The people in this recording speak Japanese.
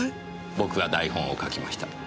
僕が台本を書きました。